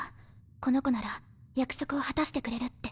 この子なら約束を果たしてくれるって。